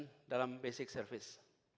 dan kemudian dalam basic service